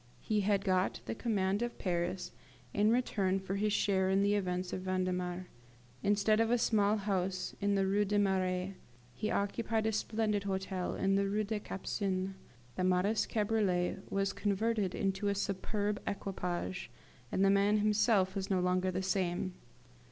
He had got the command of Paris in return for his share in the events of Vendemiaire. Instead of a small house in the Rue des Marais, he occupied a splendid hotel in the Rue des Capucines; the modest cabriolet was converted into a superb equipage, and the man himself was no longer the same.